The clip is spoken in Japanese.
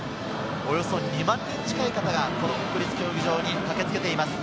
およそ２万人近い方が国立競技場に駆けつけています。